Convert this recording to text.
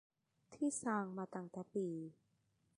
ที่สร้างมาตั้งแต่ปี